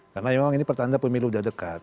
karena memang ini pertanda pemilu sudah dekat